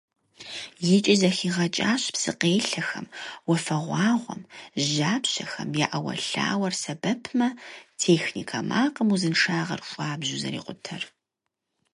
ИкӀи зэхигъэкӀащ псыкъелъэхэм, уафэгъуагъуэм, жьапщэхэм я Ӏэуэлъауэр сэбэпмэ, техникэ макъым узыншагъэр хуабжьу зэрикъутэр.